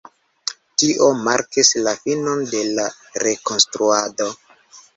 Tio markis la finon de la Rekonstruado.